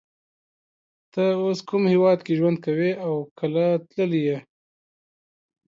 ته اوس کوم هیواد کی ژوند کوی او کله تللی یی